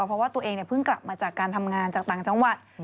เพราะว่าตัวเองเพิ่งกลับมาจากการทำงานจากต่างจังหวัด